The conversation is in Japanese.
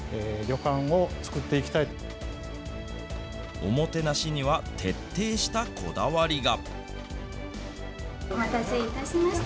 おもてなしには徹底したこだわりが。